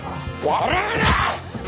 笑うな‼